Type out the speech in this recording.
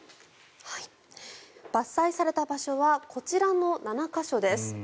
伐採された場所はこちらの７か所です。